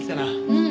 うん。